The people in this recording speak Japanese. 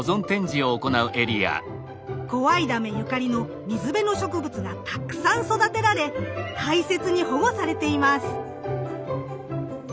小合溜ゆかりの水辺の植物がたくさん育てられ大切に保護されています。